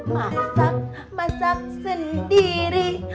masak masak sendiri